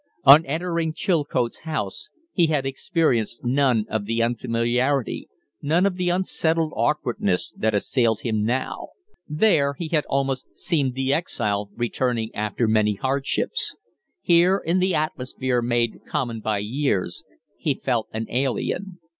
On entering Chilcote's house he had experienced none of the unfamiliarity, none of the unsettled awkwardness, that assailed him now. There he had almost seemed the exile returning after many hardships; here, in the atmosphere made common by years, he felt an alien.